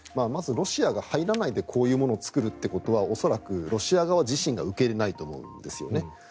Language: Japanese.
まず、ロシアが入らないでこういうものを作るというのは恐らくロシア側自身が受け入れないと思うんですよね。